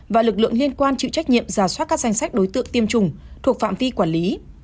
và lực lượng liên quan chịu trách nhiệm giả soát các danh sách đối tượng tiêm chủng thuộc phạm vi quản lý